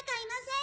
ん？